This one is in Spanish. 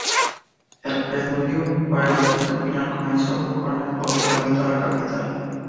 El preludio para el asalto final comenzó con el hostigamiento a la capital.